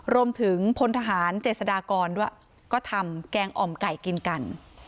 รวมถึงพลทหารเจษฎากรด้วยก็ทำแกงอ่อมไก่กินกัน